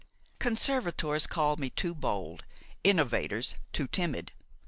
Conservators called me too bold, innovators too timid.